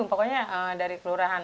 pokoknya dari kelurahan